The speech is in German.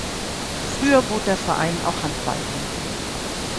Früher bot der Verein auch Handball an.